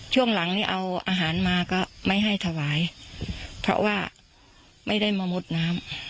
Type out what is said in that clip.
ช่วงหลังนี่เอาอาหารมาก็ไม่ให้ถวายเพราะว่าไม่ได้มามุดน้ำ